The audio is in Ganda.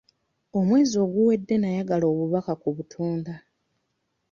Omwezi oguwedde, nayagala obubaka ku butunda.